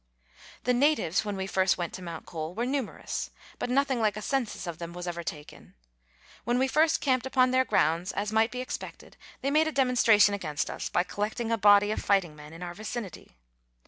The natives when we first went to Mount Cole were numerous, but nothing like a census of them was ever taken. When we first camped upon their grounds, as might be expected they made Letters from Victorian Pioneers. 225 a demonstration against us by collecting a body of fighting men. in our vicinity.